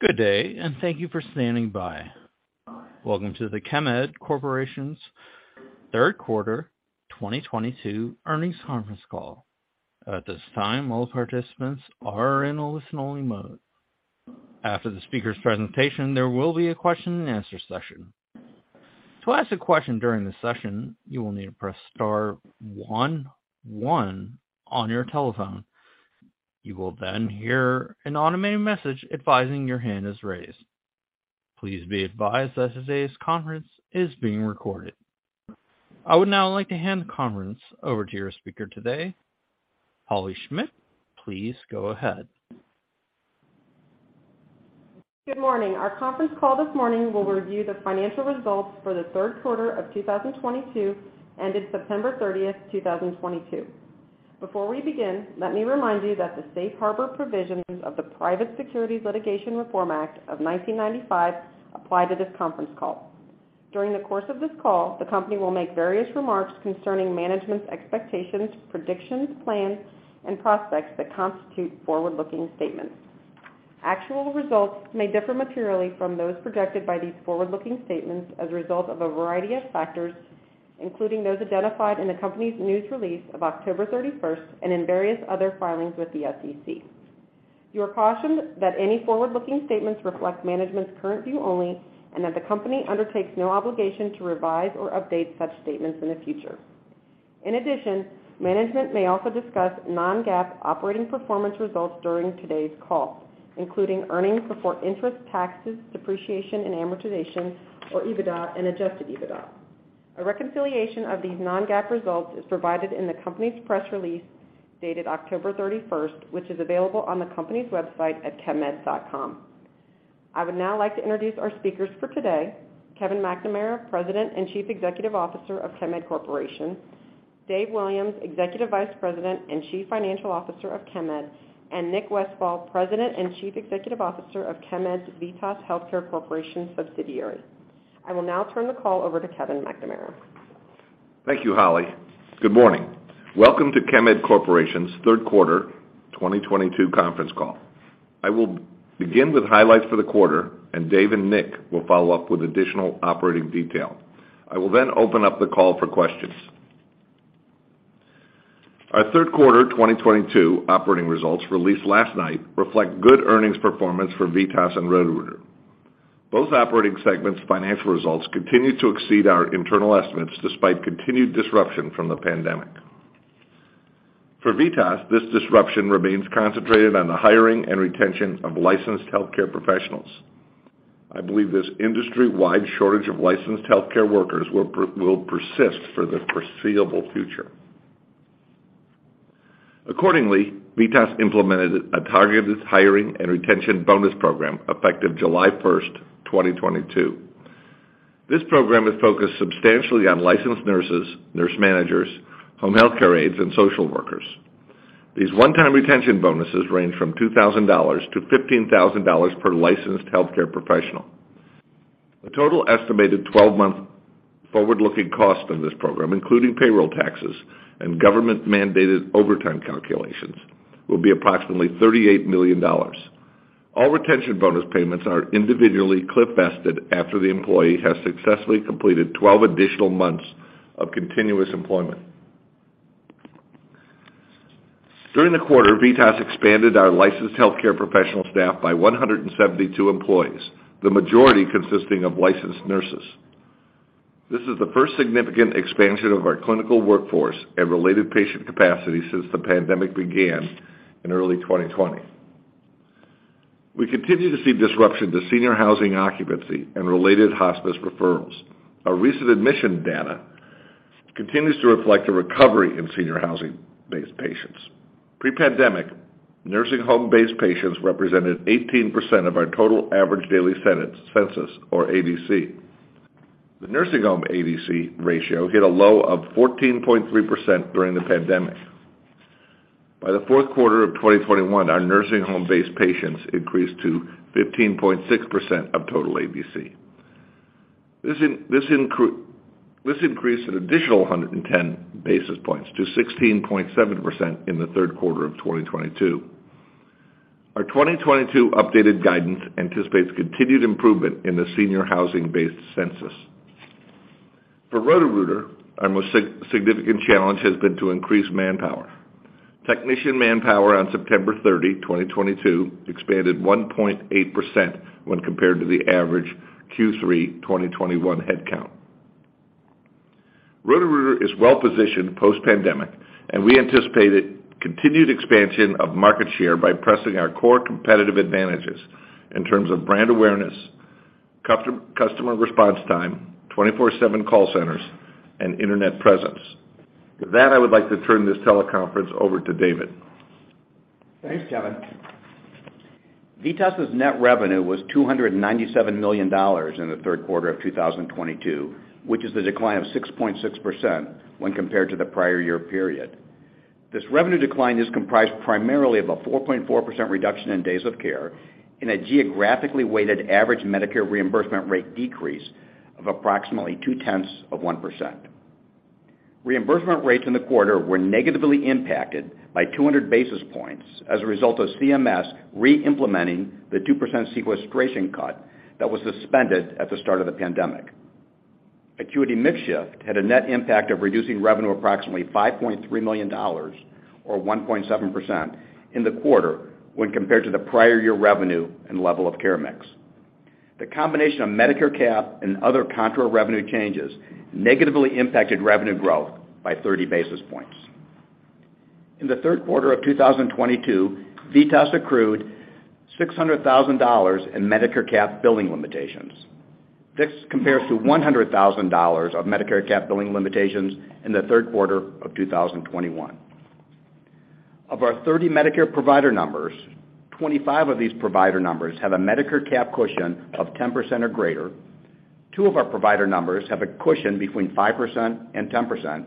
Good day, and thank you for standing by. Welcome to the Chemed Corporation's Q3 2022 earnings conference call. At this time, all participants are in a listen-only mode. After the speaker's presentation, there will be a question-and-answer session. To ask a question during this session, you will need to press star one one on your telephone. You will then hear an automated message advising your hand is raised. Please be advised that today's conference is being recorded. I would now like to hand the conference over to your speaker today, Holley Schmidt. Please go ahead. Good morning. Our conference call this morning will review the financial results for the Q3 of 2022, ended September 30, 2022. Before we begin, let me remind you that the safe harbor provisions of the Private Securities Litigation Reform Act of 1995 apply to this conference call. During the course of this call, the company will make various remarks concerning management's expectations, predictions, plans, and prospects that constitute forward-looking statements. Actual results may differ materially from those projected by these forward-looking statements as a result of a variety of factors, including those identified in the company's news release of October 31 and in various other filings with the SEC. You are cautioned that any forward-looking statements reflect management's current view only and that the company undertakes no obligation to revise or update such statements in the future. In addition, management may also discuss non-GAAP operating performance results during today's call, including earnings before interest, taxes, depreciation, and amortization, or EBITDA and adjusted EBITDA. A reconciliation of these non-GAAP results is provided in the company's press release dated October 31, which is available on the company's website at chemed.com. I would now like to introduce our speakers for today, Kevin McNamara, President and Chief Executive Officer of Chemed Corporation, Dave Williams, Executive Vice President and Chief Financial Officer of Chemed, and Nick Westfall, President and Chief Executive Officer of Chemed's VITAS Healthcare Corporation subsidiary. I will now turn the call over to Kevin McNamara. Thank you, Holly. Good morning. Welcome to Chemed Corporation's Q3 2022 conference call. I will begin with highlights for the quarter, and Dave and Nick will follow up with additional operating detail. I will then open up the call for questions. Our Q3 2022 operating results released last night reflect good earnings performance for VITAS and Roto-Rooter. Both operating segments' financial results continue to exceed our internal estimates despite continued disruption from the pandemic. For VITAS, this disruption remains concentrated on the hiring and retention of licensed healthcare professionals. I believe this industry-wide shortage of licensed healthcare workers will persist for the foreseeable future. Accordingly, VITAS implemented a targeted hiring and retention bonus program effective July 1, 2022. This program is focused substantially on licensed nurses, nurse managers, home healthcare aides, and social workers. These one-time retention bonuses range from $2,000 to $15,000 per licensed healthcare professional. The total estimated 12-month forward-looking cost of this program, including payroll taxes and government-mandated overtime calculations, will be approximately $38 million. All retention bonus payments are individually cliff-vested after the employee has successfully completed 12 additional months of continuous employment. During the quarter, VITAS expanded our licensed healthcare professional staff by 172 employees, the majority consisting of licensed nurses. This is the first significant expansion of our clinical workforce and related patient capacity since the pandemic began in early 2020. We continue to see disruption to senior housing occupancy and related hospice referrals. Our recent admission data continues to reflect a recovery in senior housing-based patients. Pre-pandemic, nursing home-based patients represented 18% of our total average daily census, or ADC. The nursing home ADC ratio hit a low of 14.3% during the pandemic. By the fourth quarter of 2021, our nursing home-based patients increased to 15.6% of total ADC. This increased an additional 110 basis points to 16.7% in the Q3 of 2022. Our 2022 updated guidance anticipates continued improvement in the senior housing-based census. For Roto-Rooter, our most significant challenge has been to increase manpower. Technician manpower on September 30, 2022 expanded 1.8% when compared to the average Q3 2021 headcount. Roto-Rooter is well-positioned post-pandemic, and we anticipate continued expansion of market share by pressing our core competitive advantages in terms of brand awareness, customer response time, 24/7 call centers, and internet presence. To that, I would like to turn this teleconference over to David. Thanks, Kevin. VITAS's net revenue was $297 million in the Q3 of 2022, which is a decline of 6.6% when compared to the prior year period. This revenue decline is comprised primarily of a 4.4% reduction in days of care and a geographically weighted average Medicare reimbursement rate decrease of approximately 0.2%. Reimbursement rates in the quarter were negatively impacted by 200 basis points as a result of CMS reimplementing the 2% sequestration cut that was suspended at the start of the pandemic. Acuity mix shift had a net impact of reducing revenue approximately $5.3 million or 1.7% in the quarter when compared to the prior year revenue and level of care mix. The combination of Medicare Cap and other contra revenue changes negatively impacted revenue growth by 30 basis points. In the Q3 of 2022, VITAS accrued $600,000 in Medicare Cap billing limitations. This compares to $100,000 of Medicare Cap billing limitations in the Q3 of 2021. Of our 30 Medicare provider numbers, 25 of these provider numbers have a Medicare Cap cushion of 10% or greater. Two of our provider numbers have a cushion between 5% and 10%.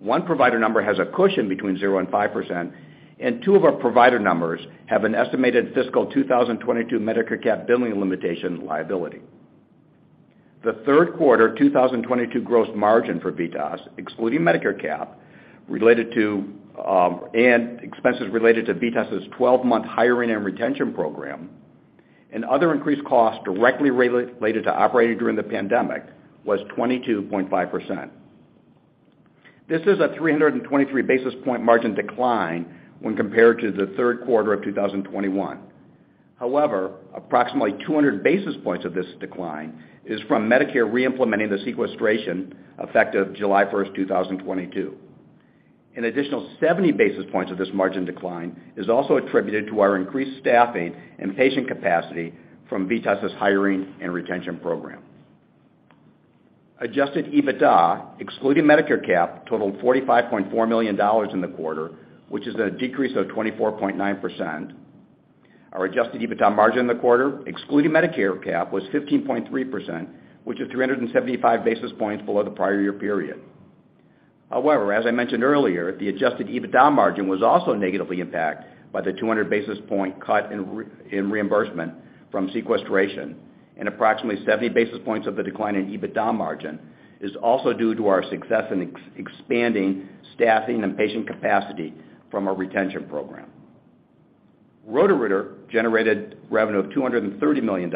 One provider number has a cushion between 0 and 5%, and two of our provider numbers have an estimated fiscal 2022 Medicare Cap billing limitation liability. The Q3 2022 gross margin for VITAS, excluding Medicare cap and expenses related to VITAS's 12-month hiring and retention program and other increased costs directly related to operating during the pandemic was 22.5%. This is a 323 basis point margin decline when compared to the Q3 of 2021. However, approximately 200 basis points of this decline is from Medicare reimplementing the sequestration effective July 1, 2022. An additional 70 basis points of this margin decline is also attributed to our increased staffing and patient capacity from VITAS's hiring and retention program. Adjusted EBITDA, excluding Medicare cap, totaled $45.4 million in the quarter, which is a decrease of 24.9%. Our adjusted EBITDA margin in the quarter, excluding Medicare Cap, was 15.3%, which is 375 basis points below the prior year period. However, as I mentioned earlier, the adjusted EBITDA margin was also negatively impacted by the 200 basis point cut in reimbursement from sequestration, and approximately 70 basis points of the decline in EBITDA margin is also due to our success in expanding staffing and patient capacity from our retention program. Roto-Rooter generated revenue of $230 million in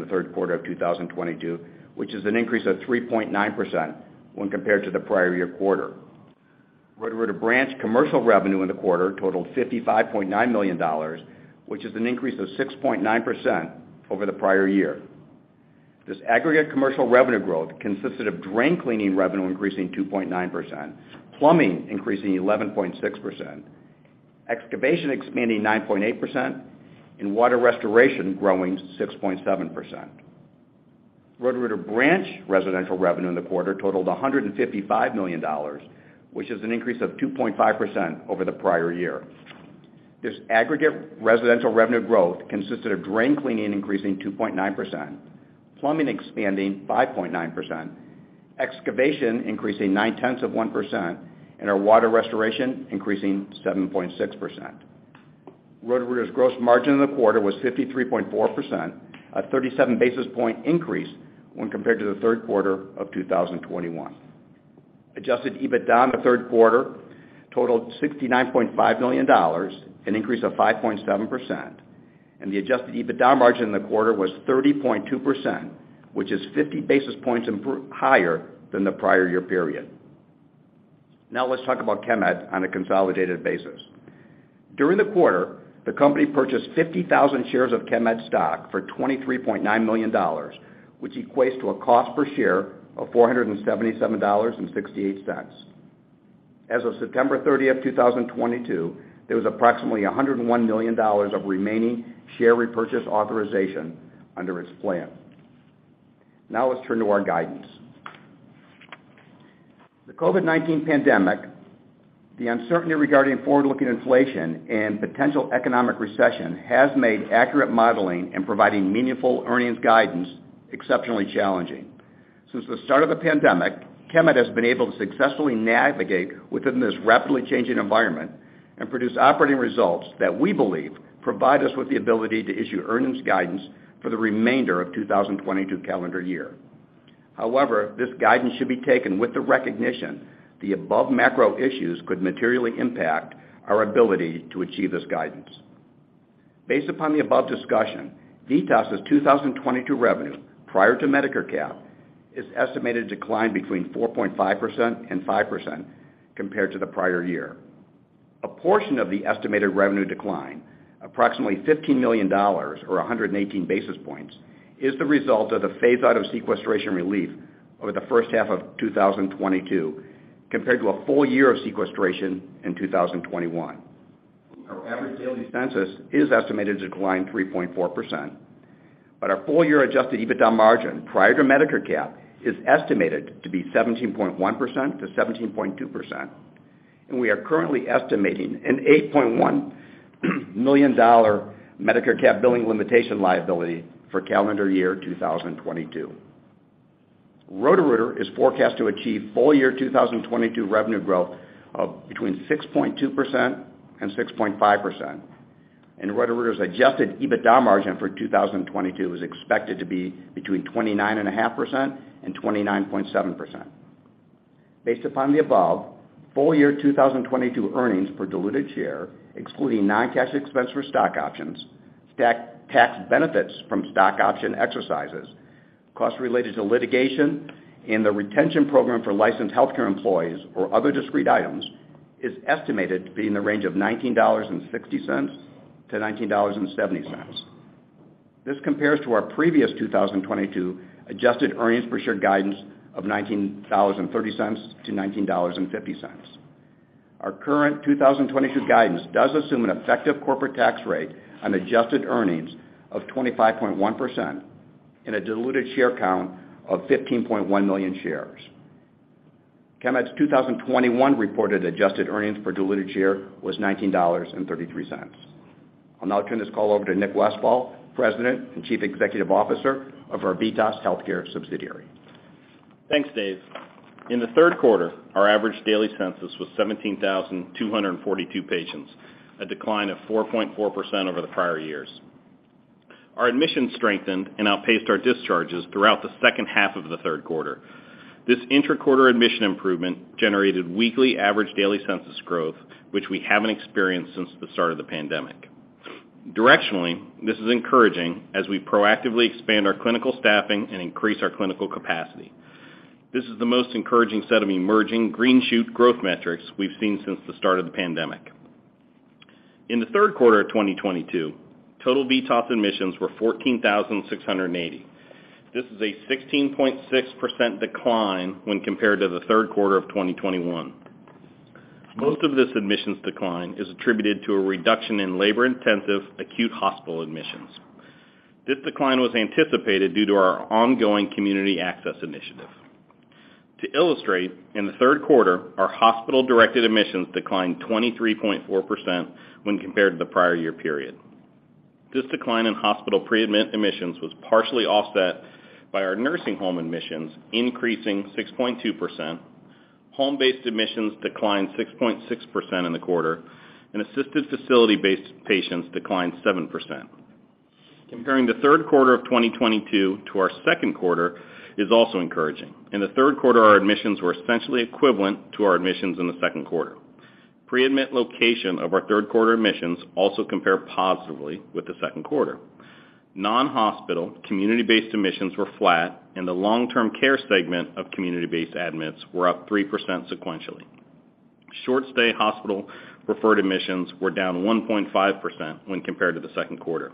the Q3 of 2022, which is an increase of 3.9% when compared to the prior year quarter. Roto-Rooter branch commercial revenue in the quarter totaled $55.9 million, which is an increase of 6.9% over the prior year. This aggregate commercial revenue growth consisted of drain cleaning revenue increasing 2.9%, plumbing increasing 11.6%, excavation expanding 9.8%, and water restoration growing 6.7%. Roto-Rooter branch residential revenue in the quarter totaled $155 million, which is an increase of 2.5% over the prior year. This aggregate residential revenue growth consisted of drain cleaning increasing 2.9%, plumbing expanding 5.9%, excavation increasing 0.9%, and our water restoration increasing 7.6%. Roto-Rooter's gross margin in the quarter was 53.4%, a 37 basis point increase when compared to the Q3 of 2021. Adjusted EBITDA in the Q3 totaled $69.5 million, an increase of 5.7%, and the adjusted EBITDA margin in the quarter was 30.2%, which is 50 basis points higher than the prior year period. Now let's talk about Chemed on a consolidated basis. During the quarter, the company purchased 50,000 shares of Chemed stock for $23.9 million, which equates to a cost per share of $477.68. As of September 30, 2022, there was approximately $101 million of remaining share repurchase authorization under its plan. Now let's turn to our guidance. The COVID-19 pandemic, the uncertainty regarding forward-looking inflation, and potential economic recession has made accurate modeling and providing meaningful earnings guidance exceptionally challenging. Since the start of the pandemic, Chemed has been able to successfully navigate within this rapidly changing environment and produce operating results that we believe provide us with the ability to issue earnings guidance for the remainder of 2022 calendar year. However, this guidance should be taken with the recognition the above macro issues could materially impact our ability to achieve this guidance. Based upon the above discussion, VITAS's 2022 revenue prior to Medicare Cap is estimated to decline between 4.5% and 5% compared to the prior year. A portion of the estimated revenue decline, approximately $15 million or 118 basis points, is the result of the phase out of sequestration relief over the first half of 2022 compared to a full year of sequestration in 2021. Our average daily census is estimated to decline 3.4%, but our full year adjusted EBITDA margin prior to Medicare Cap is estimated to be 17.1%-17.2%, and we are currently estimating an $8.1 million Medicare Cap billing limitation liability for calendar year 2022. Roto-Rooter is forecast to achieve full year 2022 revenue growth of between 6.2% and 6.5%. Roto-Rooter's adjusted EBITDA margin for 2022 is expected to be between 29.5% and 29.7%. Based upon the above, full year 2022 earnings per diluted share, excluding non-cash expense for stock options, statutory tax benefits from stock option exercises, costs related to litigation, and the retention program for licensed healthcare employees or other discrete items, is estimated to be in the range of $19.60-$19.70. This compares to our previous 2022 adjusted earnings per share guidance of $19.30-$19.50. Our current 2022 guidance does assume an effective corporate tax rate on adjusted earnings of 25.1% and a diluted share count of 15.1 million shares. Chemed's 2021 reported adjusted earnings per diluted share was $19.33. I'll now turn this call over to Nick Westfall, President and Chief Executive Officer of our VITAS Healthcare subsidiary. Thanks, Dave. In the Q3, our average daily census was 17,242 patients, a decline of 4.4% over the prior years. Our admissions strengthened and outpaced our discharges throughout the second half of the Q3. This inter-quarter admission improvement generated weekly average daily census growth, which we haven't experienced since the start of the pandemic. Directionally, this is encouraging as we proactively expand our clinical staffing and increase our clinical capacity. This is the most encouraging set of emerging green shoot growth metrics we've seen since the start of the pandemic. In the Q3 of 2022, total VITAS admissions were 14,680. This is a 16.6% decline when compared to the Q3 of 2021. Most of this admissions decline is attributed to a reduction in labor-intensive acute hospital admissions. This decline was anticipated due to our ongoing Community Access Initiative. To illustrate, in the Q3, our hospital-directed admissions declined 23.4% when compared to the prior year period. This decline in hospital pre-admit admissions was partially offset by our nursing home admissions, increasing 6.2%. Home-based admissions declined 6.6% in the quarter, and assisted facility-based patients declined 7%. Comparing the Q3 of 2022 to our second quarter is also encouraging. In the Q3, our admissions were essentially equivalent to our admissions in the second quarter. Pre-admit location of our Q3 admissions also compare positively with the second quarter. Non-hospital community-based admissions were flat, and the long-term care segment of community-based admits were up 3% sequentially. Short-stay hospital referred admissions were down 1.5% when compared to the second quarter.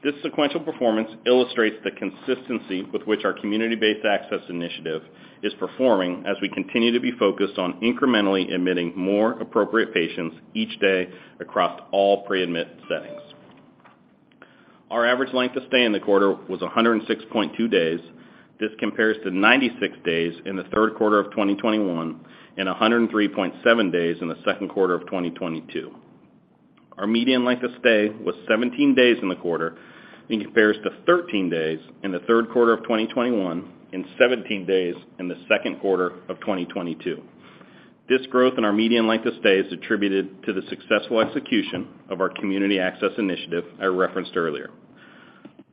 This sequential performance illustrates the consistency with which our Community-Based Access Initiative is performing as we continue to be focused on incrementally admitting more appropriate patients each day across all pre-admit settings. Our average length of stay in the quarter was 106.2 days. This compares to 96 days in the Q3 of 2021 and 103.7 days in the second quarter of 2022. Our median length of stay was 17 days in the quarter and compares to 13 days in the Q3 of 2021 and 17 days in the second quarter of 2022. This growth in our median length of stay is attributed to the successful execution of our Community Access Initiative I referenced earlier.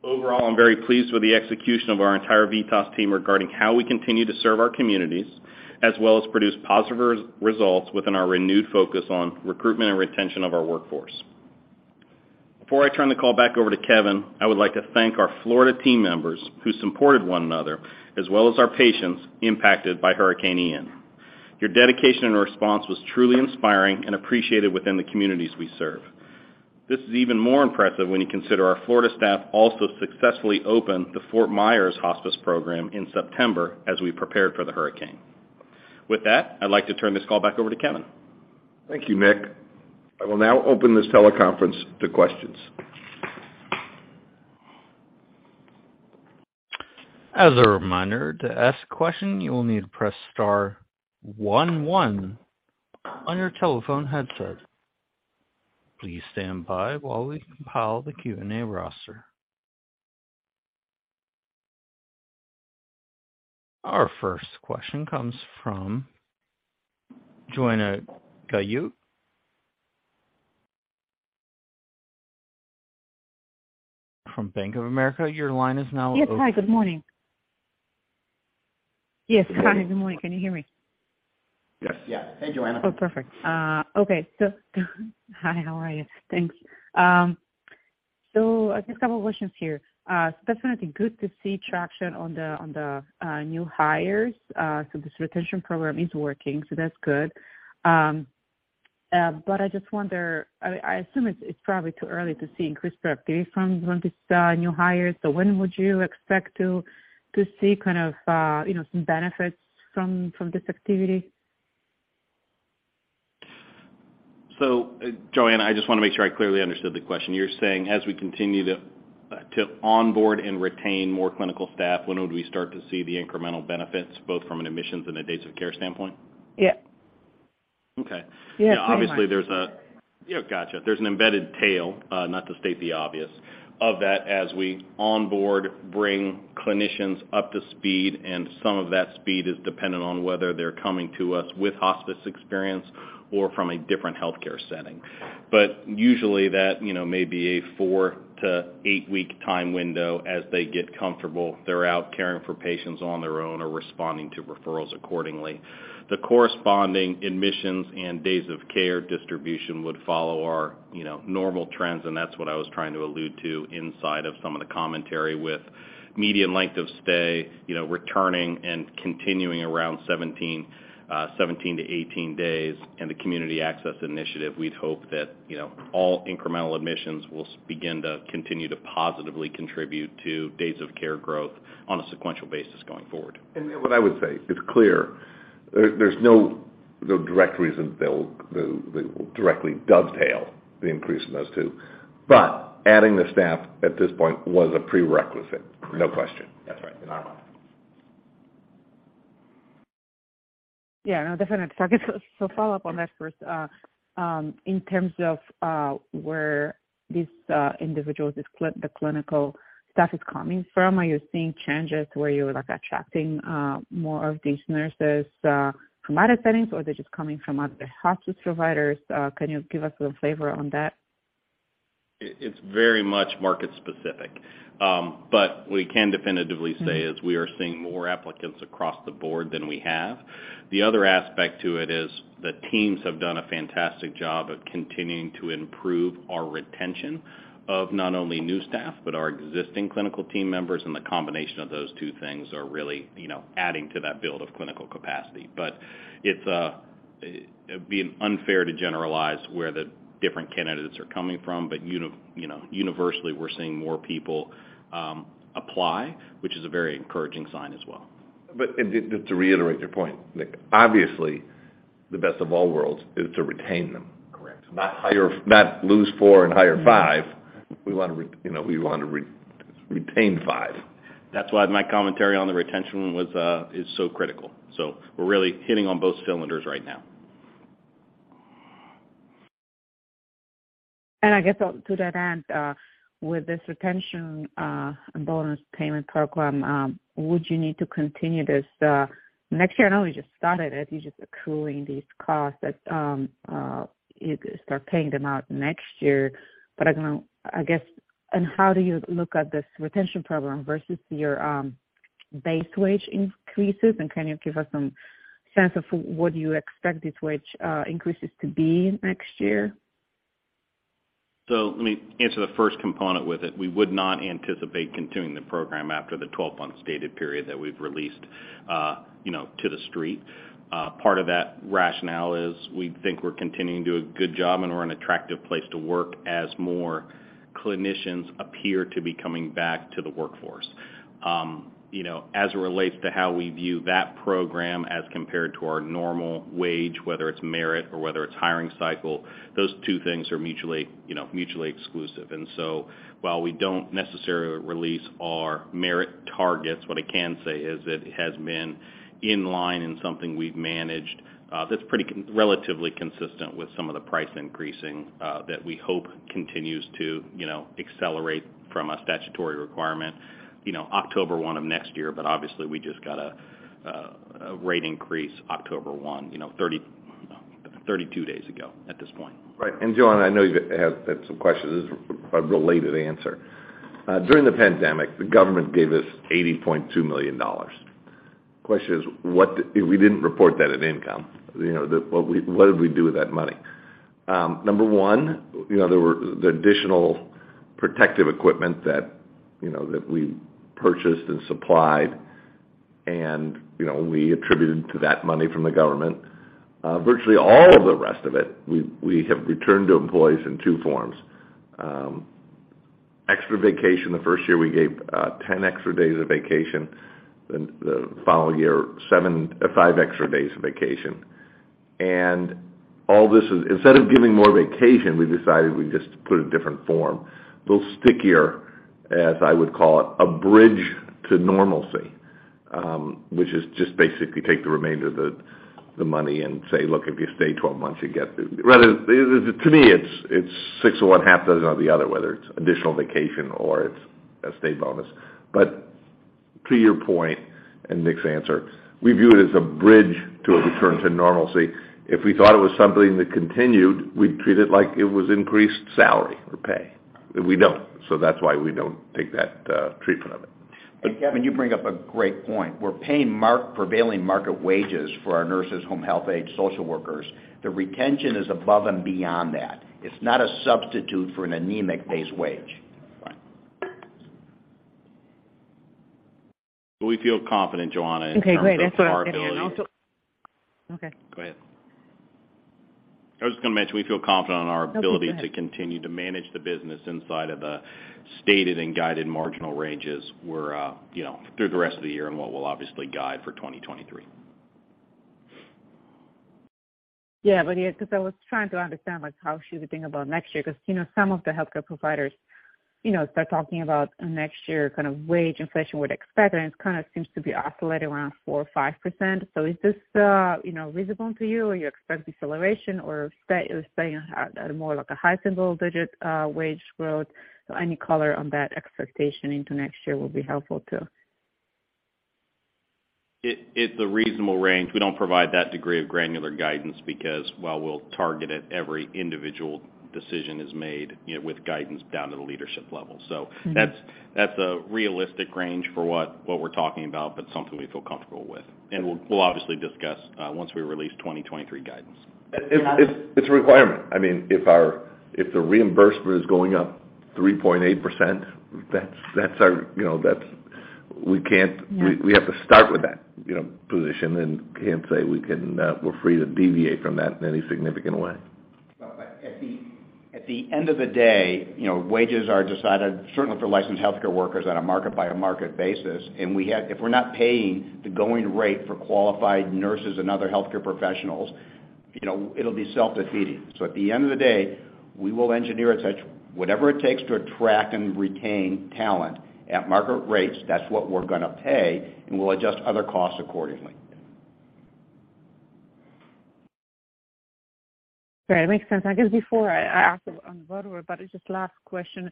Overall, I'm very pleased with the execution of our entire VITAS team regarding how we continue to serve our communities, as well as produce positive results within our renewed focus on recruitment and retention of our workforce. Before I turn the call back over to Kevin, I would like to thank our Florida team members who supported one another, as well as our patients impacted by Hurricane Ian. Your dedication and response was truly inspiring and appreciated within the communities we serve. This is even more impressive when you consider our Florida staff also successfully opened the Fort Myers Hospice program in September as we prepared for the hurricane. With that, I'd like to turn this call back over to Kevin. Thank you, Nick. I will now open this teleconference to questions. As a reminder, to ask a question, you will need to press star one one on your telephone headset. Please stand by while we compile the Q&A roster. Our first question comes from Joanna Gajuk from Bank of America. Your line is now open. Yes. Hi, good morning. Can you hear me? Yes. Yeah. Hey, Joanna. Oh, perfect. Okay. Hi, how are you? Thanks. I guess a couple questions here. Definitely good to see traction on the new hires. This retention program is working, so that's good. But I just wonder, I assume it's probably too early to see increased productivity from these new hires, so when would you expect to see kind of you know some benefits from this activity? Joanna, I just wanna make sure I clearly understood the question. You're saying as we continue to onboard and retain more clinical staff, when would we start to see the incremental benefits both from an admissions and a days of care standpoint? Yeah. Okay. Yeah, pretty much. Obviously, yeah, gotcha. There's an embedded tail, not to state the obvious. Of that as we onboard, bring clinicians up to speed, and some of that speed is dependent on whether they're coming to us with hospice experience or from a different healthcare setting. But usually that, you know, may be a 4-8-week time window as they get comfortable, they're out caring for patients on their own or responding to referrals accordingly. The corresponding admissions and days of care distribution would follow our, you know, normal trends, and that's what I was trying to allude to inside of some of the commentary. With median length of stay, you know, returning and continuing around 17-18 days and the Community Access Initiative, we'd hope that, you know, all incremental admissions will begin to continue to positively contribute to days of care growth on a sequential basis going forward. What I would say, it's clear there's no direct reason they will directly dovetail the increase in those two. But adding the staff at this point was a prerequisite, no question. That's right. Uh-huh. Yeah, no, definitely. I guess, follow up on that first, in terms of where these individuals, the clinical staff is coming from, are you seeing changes where you're, like, attracting more of these nurses from other settings, or are they just coming from other hospice providers? Can you give us a little flavor on that? It's very much market specific. We can definitively say is we are seeing more applicants across the board than we have. The other aspect to it is the teams have done a fantastic job of continuing to improve our retention of not only new staff, but our existing clinical team members, and the combination of those two things are really, you know, adding to that build of clinical capacity. It'd be unfair to generalize where the different candidates are coming from. You know, universally, we are seeing more people apply, which is a very encouraging sign as well. Just to reiterate your point, Nick, obviously, the best of all worlds is to retain them. Correct. Not lose four and hire five. We want to, you know, we want to retain five. That's why my commentary on the retention was, is so critical. So we are really hitting on both cylinders right now. I guess, to that end, with this retention and bonus payment program, would you need to continue this next year? I know you just started it. You're just accruing these costs that you start paying them out next year. I don't know, I guess how do you look at this retention program versus your base wage increases? Can you give us some sense of what you expect these wage increases to be next year? Let me answer the first component with it. We would not anticipate continuing the program after the twelve-month stated period that we've released, you know, to the street. Part of that rationale is we think we're continuing to do a good job, and we are an attractive place to work as more clinicians appear to be coming back to the workforce. You know, as it relates to how we view that program as compared to our normal wage, whether it's merit or whether it's hiring cycle, those two things are mutually, you know, mutually exclusive. While we don't necessarily release our merit targets, what I can say is that it has been in line in something we've managed, that's relatively consistent with some of the pricing increases that we hope continues to, you know, accelerate from a statutory requirement, you know, October 1 of next year. Obviously, we just got a rate increase October 1, you know, 32 days ago at this point. Right. Joanna, I know you have some questions. This is a related answer. During the pandemic, the government gave us $80.2 million. Question is, what? We didn't report that in income. You know, what did we do with that money? Number one, you know, there were the additional protective equipment that, you know, that we purchased and supplied. You know, we attributed to that money from the government. Virtually all of the rest of it, we have returned to employees in two forms. Extra vacation. The first year, we gave 10 extra days of vacation. Then the following year, five extra days of vacation. Instead of giving more vacation, we decided we'd just put a different form, a little stickier, as I would call it, a bridge to normalcy, which is just basically take the remainder of the money and say, "Look, if you stay 12 months, you get the." Rather, to me, it's six of one, half a dozen of the other, whether it's additional vacation or it's a stay bonus. To your point and Nick's answer, we view it as a bridge to a return to normalcy. If we thought it was something that continued, we'd treat it like it was increased salary or pay. We don't. That's why we don't take that treatment of it. Kevin, you bring up a great point. We're paying prevailing market wages for our nurses, home health aides, social workers. The retention is above and beyond that. It's not a substitute for an anemic base wage. Right. We feel confident, Joanna, in terms of our ability- Okay, great. That's what I was getting at. Okay. Go ahead. I was just gonna mention, we feel confident on our ability. No, go ahead. To continue to manage the business inside of the stated and guided margin ranges we're, you know, through the rest of the year and what we'll obviously guide for 2023. Yeah. Yeah, because I was trying to understand, like, how should we think about next year, because, you know, some of the healthcare providers, you know, start talking about next year kind of wage inflation would expect, and it kind of seems to be oscillating around 4 or 5%. Is this, you know, reasonable to you, or you expect deceleration or staying at more like a high single-digit wage growth? Any color on that expectation into next year will be helpful too. It's a reasonable range. We don't provide that degree of granular guidance because while we'll target it, every individual decision is made, you know, with guidance down to the leadership level. So that's a realistic range for what we're talking about, but something we feel comfortable with. We'll obviously discuss once we release 2023 guidance. It's a requirement. I mean, if the reimbursement is going up 3.8%, that's our, you know, that's we can't- Yeah. We have to start with that, you know, position and can't say we're free to deviate from that in any significant way. Well, at the end of the day, you know, wages are decided, certainly for licensed healthcare workers, on a market-by-market basis. We have to, if we are not paying the going rate for qualified nurses and other healthcare professionals, you know, it'll be self-defeating. At the end of the day, we will engineer as such, whatever it takes to attract and retain talent at market rates, that's what we're gonna pay, and we'll adjust other costs accordingly. Great. It makes sense. I guess before I ask on Roto-Rooter, but it's my last question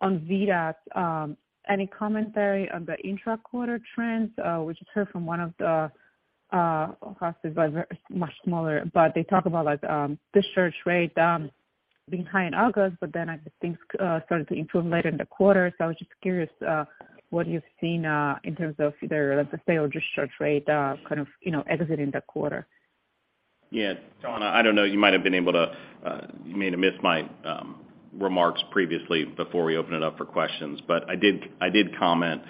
on VITAS. Any commentary on the intra-quarter trends, which I heard from one of the hospice providers, much smaller, but they talk about like discharge rate being high in August, but then I think it started to improve later in the quarter. I was just curious what you have seen in terms of either the fail discharge rate, kind of, you know, exiting the quarter. Joanna, I don't know, you may have missed my remarks previously before we opened it up for questions, but I did comment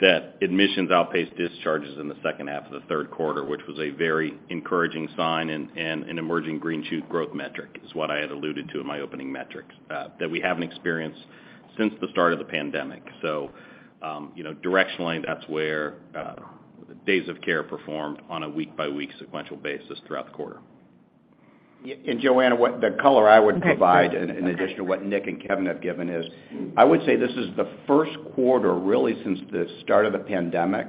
that admissions outpaced discharges in the second half of the Q3, which was a very encouraging sign and an emerging green shoot growth metric, is what I had alluded to in my opening metrics, that we haven't experienced since the start of the pandemic. You know, directionally, that's where the days of care performed on a week-by-week sequential basis throughout the quarter. Yeah. Joanna, the color I would provide in addition to what Nick and Kevin have given is, I would say this is the first quarter really since the start of the pandemic.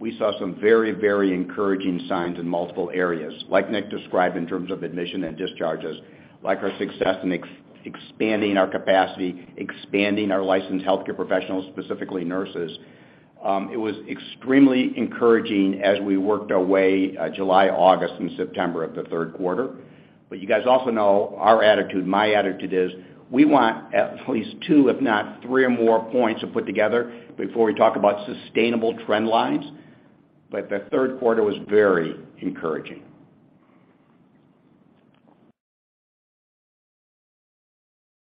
We saw some very, very encouraging signs in multiple areas, like Nick described in terms of admission and discharges, like our success in expanding our capacity, expanding our licensed healthcare professionals, specifically nurses. It was extremely encouraging as we worked our way, July, August and September of the Q3. You guys also know our attitude, my attitude is, we want at least two, if not three or more points to put together before we talk about sustainable trend lines. The Q3 was very encouraging.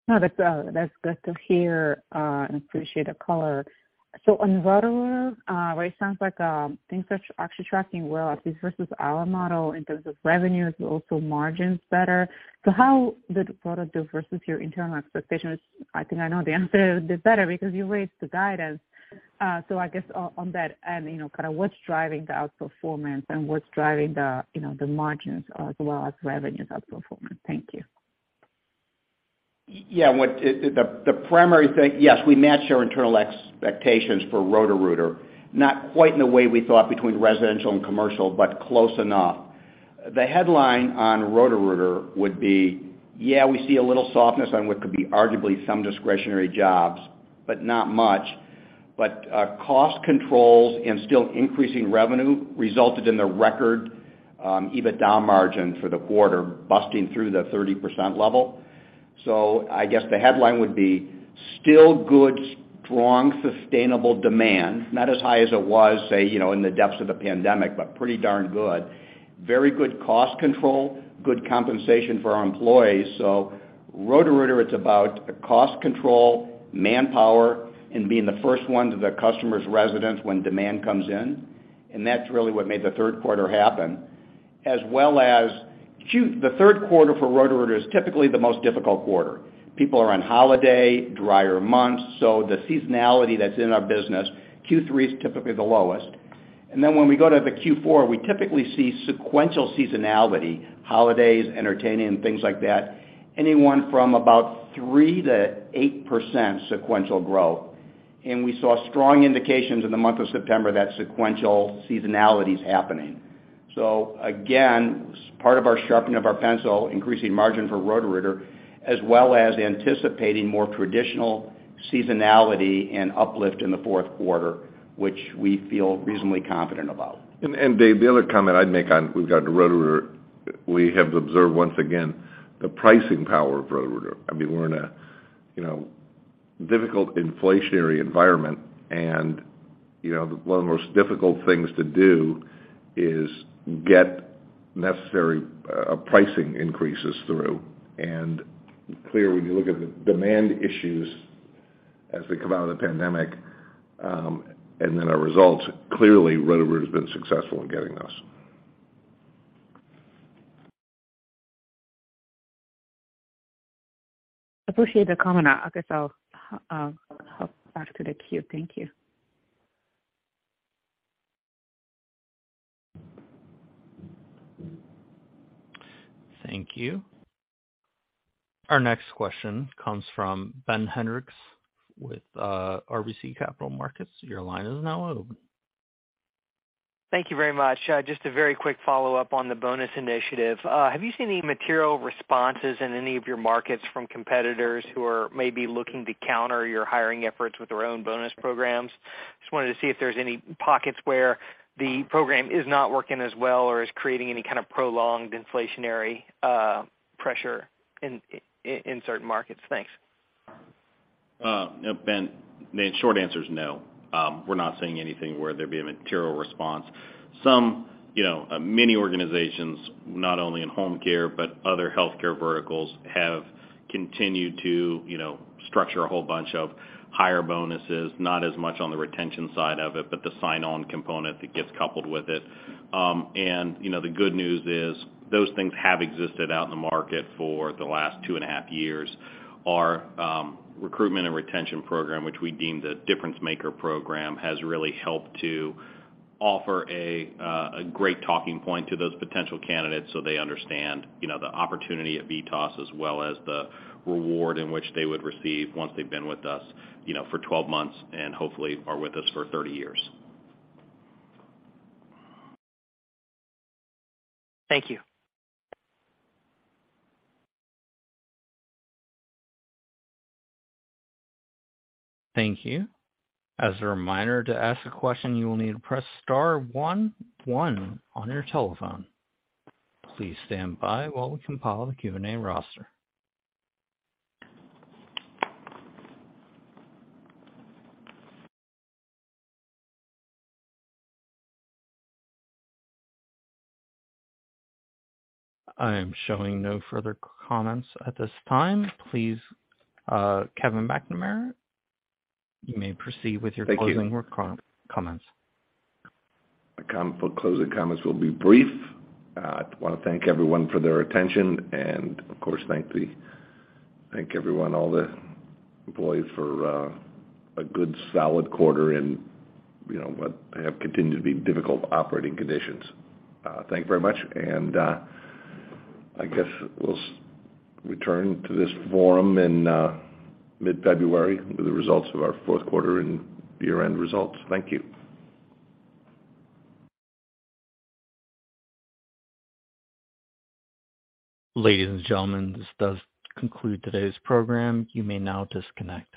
No, that's good to hear, and appreciate the color. On Roto-Rooter, where it sounds like, things are actually tracking well, at least versus our model in terms of revenues, but also margins better. How did Roto do versus your internal expectations? I think I know the answer, they're better because you raised the guidance. I guess on that and, you know, kind of what's driving the outperformance and what's driving the, you know, the margins as well as revenues outperformance. Thank you. Yeah. The primary thing, yes, we matched our internal expectations for Roto-Rooter. Not quite in the way we thought between residential and commercial, but close enough. The headline on Roto-Rooter would be, yeah, we see a little softness on what could be arguably some discretionary jobs, but not much. Cost controls and still increasing revenue resulted in the record EBITDA margin for the quarter, busting through the 30% level. I guess the headline would be still good, strong, sustainable demand. Not as high as it was, say, you know, in the depths of the pandemic, but pretty darn good. Very good cost control, good compensation for our employees. Roto-Rooter, it's about cost control, manpower, and being the first one to the customer's residence when demand comes in. That's really what made the Q3 happen. As well as the Q3 for Roto-Rooter is typically the most difficult quarter. People are on holiday, drier months, so the seasonality that's in our business, Q3 is typically the lowest. When we go to the Q4, we typically see sequential seasonality, holidays, entertaining, things like that, anywhere from about 3%-8% sequential growth. We saw strong indications in the month of September that sequential seasonality is happening. Again, part of our sharpening of our pencil, increasing margin for Roto-Rooter, as well as anticipating more traditional seasonality and uplift in the fourth quarter, which we feel reasonably confident about. Dave, the other comment I'd make on regarding Roto-Rooter, we have observed once again the pricing power of Roto-Rooter. I mean, we're in a, you know, difficult inflationary environment and, you know, one of the most difficult things to do is get necessary pricing increases through. Clearly, when you look at the demand issues as we come out of the pandemic, and then our results, clearly Roto-Rooter has been successful in getting those. Appreciate the comment. I guess I'll hop back to the queue. Thank you. Thank you. Our next question comes from Ben Hendrix with RBC Capital Markets. Your line is now open. Thank you very much. Just a very quick follow-up on the bonus initiative. Have you seen any material responses in any of your markets from competitors who are maybe looking to counter your hiring efforts with their own bonus programs? Just wanted to see if there's any pockets where the program is not working as well or is creating any kind of prolonged inflationary pressure in certain markets. Thanks. Ben, the short answer is no. We are not seeing anything where there'd be a material response. Some, you know, many organizations, not only in home care but other healthcare verticals, have continued to, you know, structure a whole bunch of higher bonuses, not as much on the retention side of it, but the sign-on component that gets coupled with it. You know, the good news is those things have existed out in the market for the last two and a half years. Our recruitment and retention program, which we deemed a Difference Maker program, has really helped to offer a great talking point to those potential candidates so they understand, you know, the opportunity at VITAS as well as the reward in which they would receive once they've been with us, you know, for 12 months and hopefully are with us for 30 years. Thank you. Thank you. As a reminder, to ask a question, you will need to press star one one on your telephone. Please stand by while we compile the Q&A roster. I am showing no further comments at this time. Please, Kevin McNamara, you may proceed with your closing comments. My closing comments will be brief. I wanna thank everyone for their attention and of course thank everyone all the employees for a good solid quarter and you know what have continued to be difficult operating conditions. Thank you very much. I guess we'll return to this forum in mid-February with the results of our fourth quarter and year-end results. Thank you. Ladies and gentlemen, this does conclude today's program. You may now disconnect.